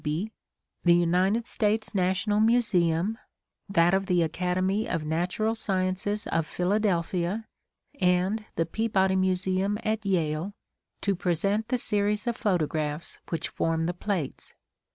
Beebe, the United States National Museum, that of the Academy of Natural Sciences of Philadelphia, and the Peabody Museum at Yale to present the series of photographs which form the plates.